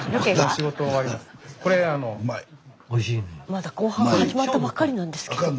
まだ後半始まったばっかりなんですけど。